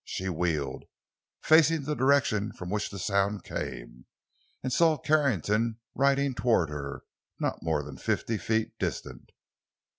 She wheeled, facing the direction from which the sound came—and saw Carrington riding toward her, not more than fifty feet distant.